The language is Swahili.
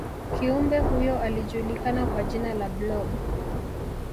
kiumbe huyo alijulikana kwa jina la blob